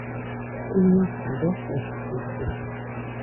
Uiñoko rofokɨide